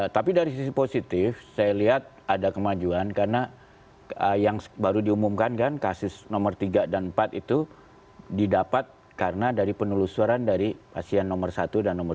tapi dari sisi positif saya lihat ada kemajuan karena yang baru diumumkan kan kasus nomor tiga dan empat itu didapat karena dari penelusuran dari pasien nomor satu dan nomor tiga